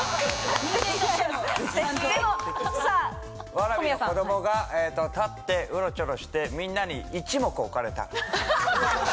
ワラビーの子供が立ってうろちょろしてみんなに一目置かれた。